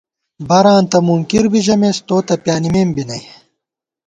براں تہ مُنکِر بی ژَمېس تو تہ پیانِمېم بی نئ